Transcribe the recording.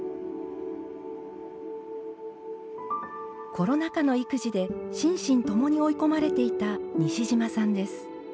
コロナ禍の育児で心身共に追い込まれていた西島さんです。